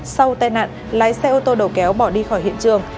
sau tai nạn lái xe ô tô đầu kéo bỏ đi khỏi hiện trường